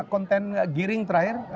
konten giring terakhir